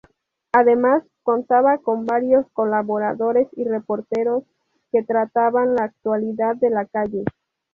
Además, contaba con varios colaboradores y reporteros que trataban la actualidad de la calle.